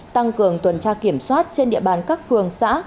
tăng cường tuần tra kiểm soát trên địa bàn các phường xã